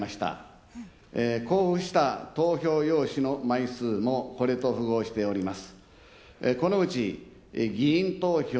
符合した投票用紙の枚数もこれと符合しております。